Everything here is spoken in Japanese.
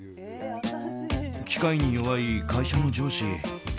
機械に弱い会社の上司。